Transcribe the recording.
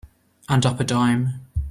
And up a dime.